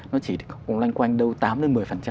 nó chỉ có quanh đâu tám đến một mươi